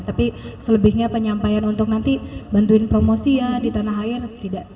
tapi selebihnya penyampaian untuk nanti bantuin promosi ya di tanah air tidak